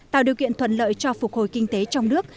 tạo điều kiện thuận lợi cho phục hồi kinh tế trong nước